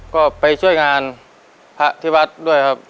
ก็ไปช่วยงานพระที่วัดด้วยครับ